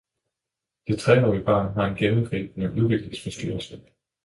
Det tre-årige barn har en gennemgribende udviklingsforstyrrelse.